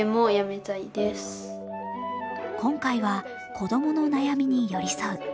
今回は子供の悩みに寄り添う。